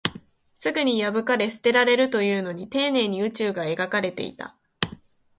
すぐに破かれ、捨てられるというのに、丁寧に宇宙が描かれていた